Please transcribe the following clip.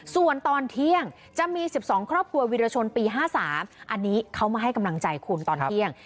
ส่วนตอนเที่ยงจะมี๑๒ครอบครัววิรชนปี๕๓อันนี้เขามาให้กำลังใจคุณตอนเที่ยง